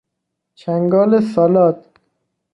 چنگال سالاد